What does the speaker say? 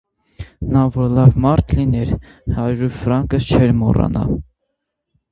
Նա որ լավ մարդ լիներ, հարյուր ֆրանկս չէր մոռանալ: